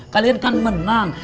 kalian kan menang